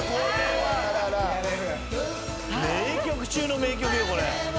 名曲中の名曲よこれ。